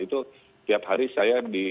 itu tiap hari saya di